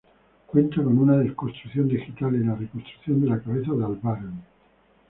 Cuenta con una deconstrucción digital y la reconstrucción de la cabeza de Albarn.